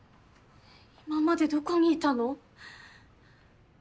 今までどこにいたの？